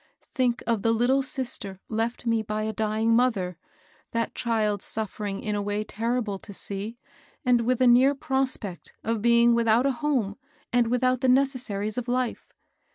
Think of the little sister left me by a dying mother, — that child suffering in a way terrible to see, and with a near prospect of being without a home and without the necessaries of life